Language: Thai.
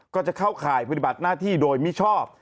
ก็จะเข้าข่ายปฏิบัติหน้าที่โดยมิชอบ